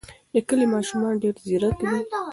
د کلي ماشومان ډېر ځیرک دي.